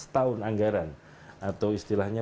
tahun anggaran atau istilahnya